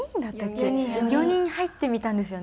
４人入ってみたんですよね。